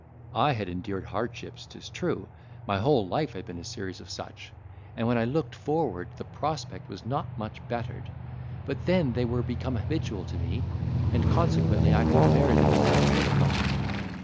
I had endured hardships, 'tis true—my whole life had been a series of such; and when I looked forward, the prospect was not much bettered, but then they were become habitual to me, and consequently I could bear them with less difficulty.